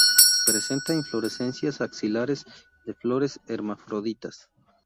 Presenta inflorescencias axilares, de flores hermafroditas.